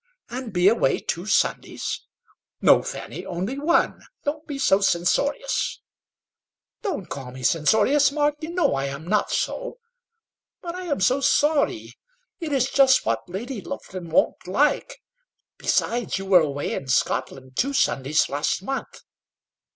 "And be away two Sundays?" "No, Fanny, only one. Don't be so censorious." "Don't call me censorious, Mark; you know I am not so. But I am so sorry. It is just what Lady Lufton won't like. Besides, you were away in Scotland two Sundays last month."